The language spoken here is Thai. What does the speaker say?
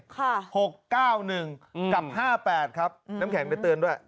๖๙๑กับ๕๘ครับน้ำแข็งไปเตือนด้วย